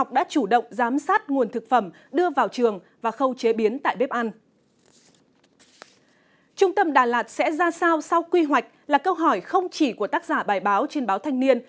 trung tâm đà lạt sẽ ra sao sau quy hoạch là câu hỏi không chỉ của tác giả bài báo trên báo thanh niên